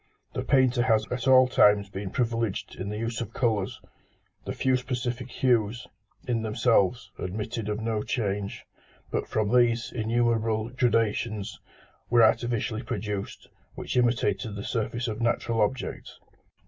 The painter has at all times been privileged in the use of colours. The few specific hues, in themselves, admitted of no change; but from these, innumerable gradations were artificially produced which imitated the surface of natural objects.